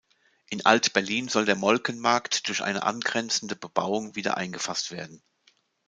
In Alt-Berlin soll der Molkenmarkt durch eine angrenzende Bebauung wieder eingefasst werden.